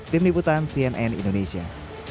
tim liputan cnn indonesia